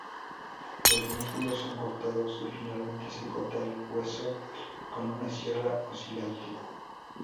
Los músculos son cortados, y finalmente se corta el hueso con una sierra oscilante.